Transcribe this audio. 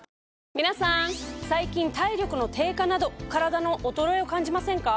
皆さん最近体力の低下などカラダの衰えを感じませんか？